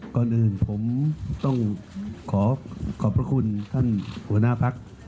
ก่อนอื่นผมต้องขอขอบพระคุณท่านหัวหน้าพัก